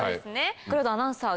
黒田アナウンサー